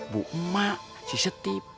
bu emak si setim